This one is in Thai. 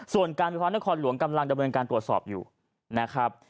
ส่วนการไฟฟ้านครหลวงกำลังดำเนินการตรวจสอบอยู่นะครับ